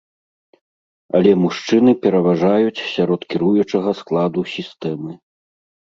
Але мужчыны пераважаюць сярод кіруючага складу сістэмы.